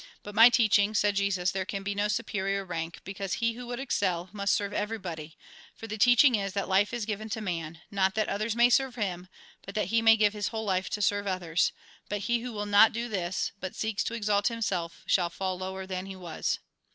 By my teaching, said Jesus, there can be no superior rank, because he who would e.Mcel, must serve everybody ; for the teaching is, that life is given to man, not that others may serve him, but that he may give his whole life to serve others, but he who will not do this, but seeks to exalt himself, shall fall lower than he was.